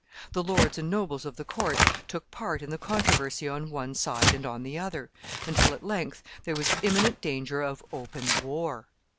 The lords and nobles of the court took part in the controversy on one side and on the other, until, at length, there was imminent danger of open war.